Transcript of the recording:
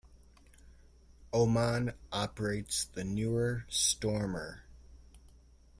Oman operates the newer Stormer.